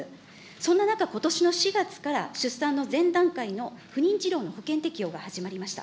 そんな中、ことしの４月から出産の前段階の不妊治療の保険適用が始まりました。